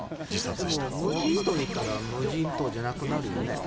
でも無人島に行ったら無人島じゃなくなるよね。